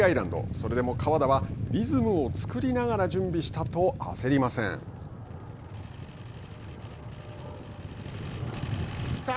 それでも河田はリズムを作りながら準備したとさあ